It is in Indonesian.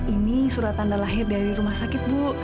ini surat tanda lahir dari rumah sakit bu